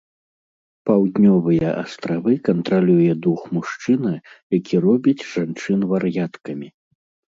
Паўднёвыя астравы кантралюе дух-мужчына, які робіць жанчын вар'яткамі.